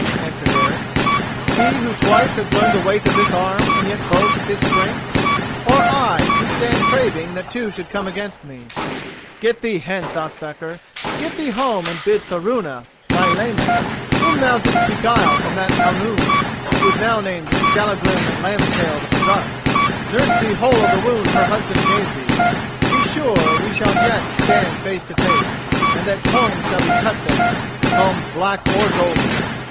answered Eric. "He who twice has learned the weight of this arm and yet boasts his strength, or I who stand craving that two should come against me? Get thee hence, Ospakar; get thee home and bid Thorunna, thy leman, whom thou didst beguile from that Ounound who now is named Skallagrim Lambstail the Baresark, nurse thee whole of the wound her husband gave thee. Be sure we shall yet stand face to face, and that combs shall be cut then, combs black or golden.